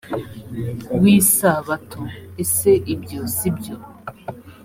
w isabato ese ibyo si byo